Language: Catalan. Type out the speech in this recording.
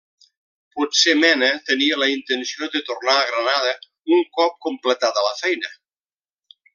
Potser Mena tenia la intenció de tornar a Granada un cop completada la feina.